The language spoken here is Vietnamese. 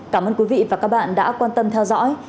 cảm ơn quý vị và các bạn đã quan tâm theo dõi